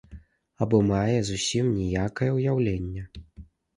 Або мае зусім ніякае ўяўленне.